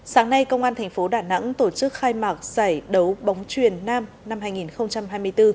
sáng nay công an thành phố đà nẵng tổ chức khai mạc giải đấu bóng truyền nam năm hai nghìn hai mươi bốn